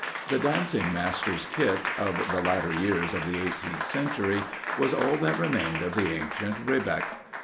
The dancing master's Kit, of the latter years of the eighteenth century, was all that remained of the ancient Rebec.